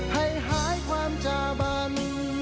ให้หายความจาบัน